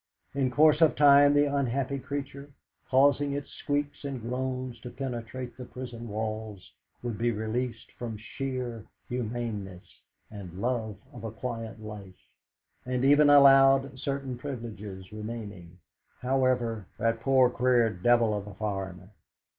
In course of time the unhappy creature, causing its squeaks and groans to penetrate the prison walls, would be released from sheer humaneness and love of a quiet life, and even allowed certain privileges, remaining, however, "that poor, queer devil of a foreigner."